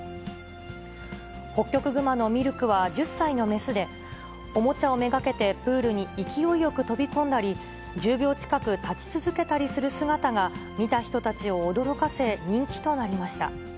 ホッキョクグマのミルクは、１０歳の雌で、おもちゃを目がけてプールに勢いよく飛び込んだり、１０秒近く立ち続けたりする姿が、見た人たちを驚かせ、人気となりました。